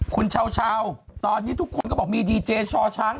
คุณชาวชาวตอนนี้ทุกคนก็บอกมีดีเจชาวช้าง